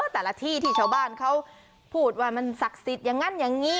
แต่ละที่ที่ชาวบ้านเขาพูดว่ามันศักดิ์สิทธิ์อย่างนั้นอย่างนี้